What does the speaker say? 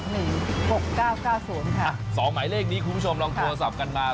๒หมายเลขนี้คุณผู้ชมลองโทรศัพท์กันมา